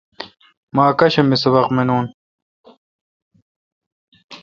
مہ اکاشم می سبق منون۔